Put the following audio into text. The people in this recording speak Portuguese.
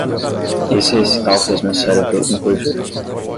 Esse recital fez meu cérebro implodir.